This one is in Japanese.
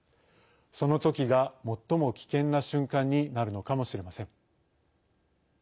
その時が最も危険な瞬間になるのかもしれません。